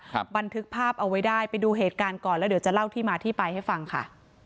บันทึกภาพเอาไว้ได้ไปดูเหตุการณ์ก่อนแล้วเดี๋ยวจะเล่าที่มาที่ไปให้ฟังค่ะ